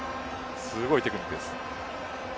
すごいテクニックです。